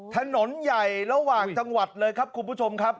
ถนนใหญ่ระหว่างจังหวัดเลยครับคุณผู้ชมครับ